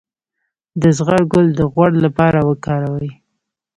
د زغر ګل د غوړ لپاره وکاروئ